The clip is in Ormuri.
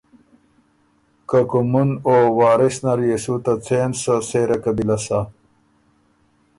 که کُومُن او وارث نر يې سو ته څېن سۀ سېره قبیلۀ سَۀ